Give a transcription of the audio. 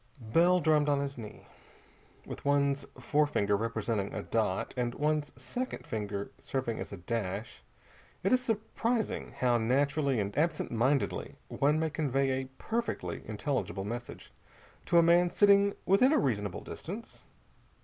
Bell drummed on his knee. With one's forefinger representing a dot, and one's second finger serving as a dash, it is surprising how naturally and absentmindedly one may convey a perfectly intelligible message to a man sitting within a reasonable distance.